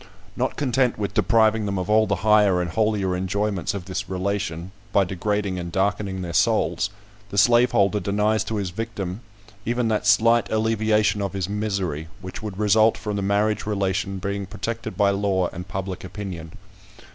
Not content with depriving them of all the higher and holier enjoyments of this relation, by degrading and darkening their souls, the slaveholder denies to his victim even that slight alleviation of his misery, which would result from the marriage relation being protected by law and public opinion.